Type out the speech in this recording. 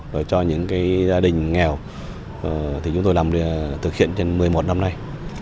rồi cho những gia đình nghèo thì chúng tôi làm để thực hiện trên một mươi một năm nay